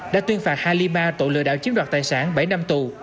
đã tuyên phạt halima tội lừa đảo chiếm đoạt tài sản bảy năm tù